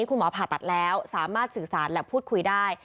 คุณหมอผ่าตัดแล้วสามารถสื่อสารและพูดคุยได้